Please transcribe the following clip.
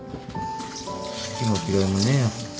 好きも嫌いもねえよ。